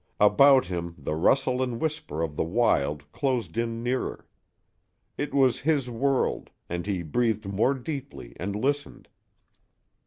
About him the rustle and whisper of the wild closed in nearer. It was his world, and he breathed more deeply and listened.